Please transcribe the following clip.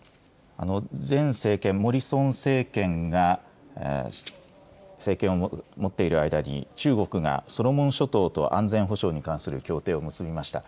前政権、モリソン政権が政権を持っている間に、中国がソロモン諸島と安全保障に関する協定を結びました。